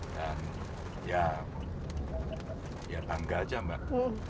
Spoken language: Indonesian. dan ya bangga saja mbak